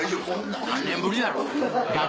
何年ぶりやろう？